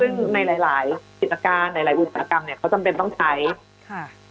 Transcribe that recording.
ซึ่งในหลายหลายกิจการหลายหลายอุตสาหกรรมเนี่ยเขาจำเป็นต้องใช้ค่ะ